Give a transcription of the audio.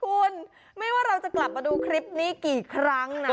คุณไม่ว่าเราจะกลับมาดูคลิปนี้กี่ครั้งนะ